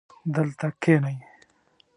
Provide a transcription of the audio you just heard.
دلته کښېنئ